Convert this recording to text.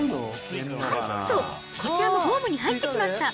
あっと、こちらもホームに入ってきました。